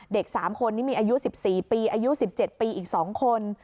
เด็กสามคนนี้มีอายุสิบสี่ปีอายุสิบเจ็ดปีอีกสองคน